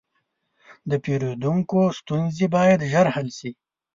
د پیرودونکو ستونزې باید ژر حل شي.